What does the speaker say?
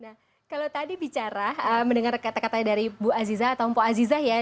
nah kalau tadi bicara mendengar kata katanya dari bu aziza atau mpo aziza ya